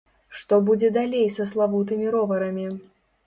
Што будзе далей са славутымі роварамі?